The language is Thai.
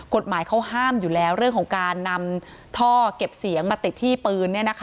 กฎหมายเขาห้ามอยู่แล้วเรื่องของการนำท่อเก็บเสียงมาติดที่ปืน